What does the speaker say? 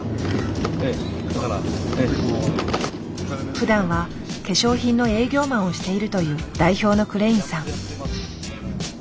ふだんは化粧品の営業マンをしているという代表のクレインさん。